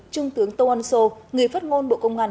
trung tướng tô ân sô người phát ngôn bộ công an